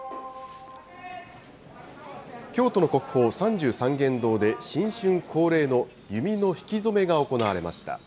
京都の国宝、三十三間堂で、新春恒例の弓の引き初めが行われました。